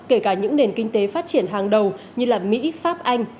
kể cả những nền kinh tế phát triển hàng đầu như mỹ pháp anh